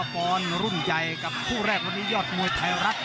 ปอนด์รุ่นใหญ่กับคู่แรกวันนี้ยอดมวยไทยรัฐ